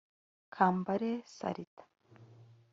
Kambale Salita